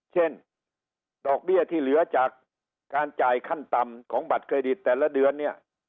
เช่นดอกเบี้ยที่เหลือจากการจ่ายขั้นต่ำของบัตรเครดิตแต่ละเดือนเนี่ย